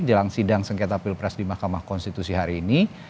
jelang sidang sengketa pilpres di mahkamah konstitusi hari ini